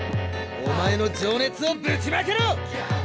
お前の情熱をぶちまけろ！